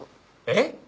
えっ？